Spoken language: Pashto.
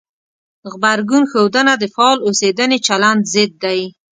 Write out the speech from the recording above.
غبرګون ښودنه د فعال اوسېدنې چلند ضد دی.